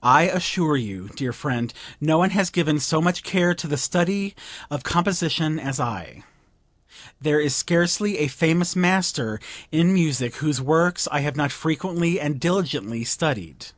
I assure you, dear friend, no one has given so much care to the study of composition as I. There is scarcely a famous master in music whose works I have not frequently and diligently studied."